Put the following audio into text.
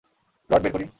Rod বের করি?